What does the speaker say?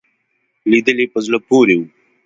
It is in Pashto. لیدلې په زړه پورې وو.